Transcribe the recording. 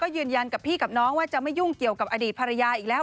ยืนยันกับพี่กับน้องว่าจะไม่ยุ่งเกี่ยวกับอดีตภรรยาอีกแล้ว